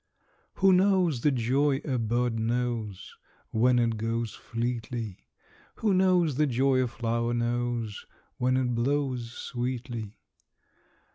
Who knows the joy a bird knows, When it goes fleetly? Who knows the joy a flower knows, When it blows sweetly?